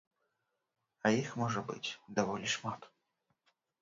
А іх можа быць даволі шмат.